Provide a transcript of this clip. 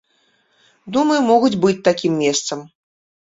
Думаю, могуць быць такім месцам.